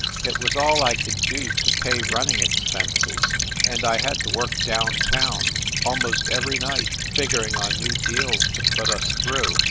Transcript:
It was all I could do to pay running expenses, and I had to work down town almost every night figuring on new deals to put us through.